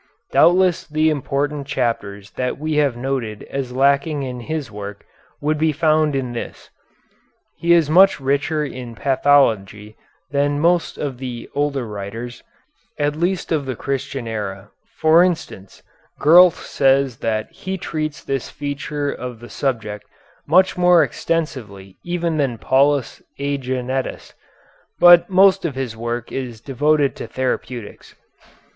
Doubtless the important chapters that we have noted as lacking in his work would be found in this. He is much richer in pathology than most of the older writers, at least of the Christian era; for instance, Gurlt says that he treats this feature of the subject much more extensively even than Paulus Æginetus, but most of his work is devoted to therapeutics.